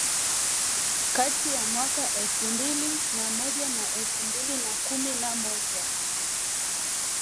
Kati ya mwaka wa elfu mbili na moja na elfu mbili kumi na moja